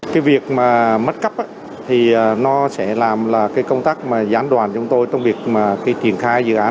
cái việc mà mất cắp thì nó sẽ làm là cái công tác mà gián đoàn chúng tôi trong việc mà cái triển khai dự án